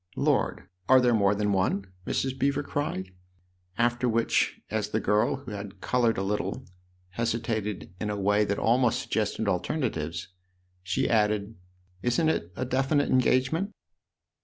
" Lord, are there more than one ?" Mrs. Beever cried ; after which, as the girl, who had coloured a little, hesitated in a way that almost suggested alternatives, she added :" Isn't it a definite engage ment?"